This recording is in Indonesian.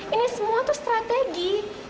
ini semua tuh strategi